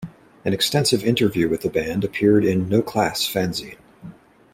An extensive interview with the band appeared in "No Class" fanzine.